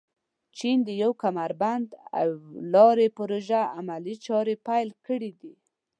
چین د یو کمربند او لارې پروژې عملي چارې پيل کړي دي.